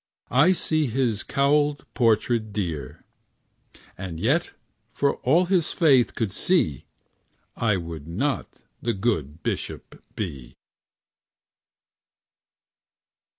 I see his cowlèd portrait dear; And yet, for all his faith could see, I would not the good bishop be.